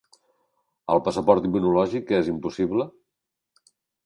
El passaport immunològic és impossible?